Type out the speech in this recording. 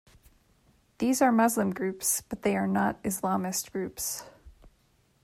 These are Muslim groups, but they are not Islamist groups.